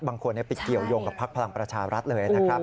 บางคนไปเกี่ยวยงกับพักพลังประชารัฐเลยนะครับ